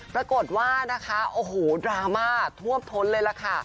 ปรากฏว่านะคะโอ้โหดราม่าท่วมท้นเลยล่ะค่ะ